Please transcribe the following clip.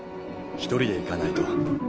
一人で行かないと。